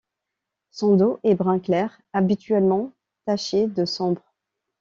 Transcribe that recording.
Son dos est brun clair habituellement taché de sombre.